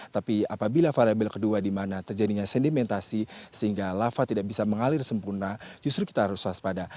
tapi apabila variabel kedua di mana terjadinya sedimentasi sehingga lava tidak bisa mengalir sempurna justru kita harus waspada